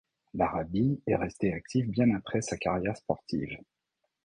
Larrabee est resté actif bien après sa carrière sportive.